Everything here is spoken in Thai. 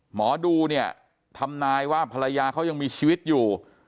หมอดูเนี่ยทำนายว่าภรรยาเขายังมีชีวิตอยู่